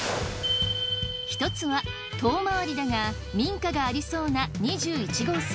１つは遠回りだが民家がありそうな２１号線。